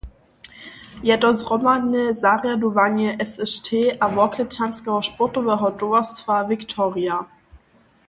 Je to zhromadne zarjadowanje SŠT a Worklečanskeho sportoweho towarstwa Viktoria.